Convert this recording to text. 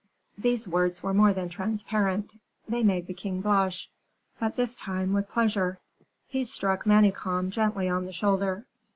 These words were more than transparent; they made the king blush, but this time with pleasure. He struck Manicamp gently on the shoulder.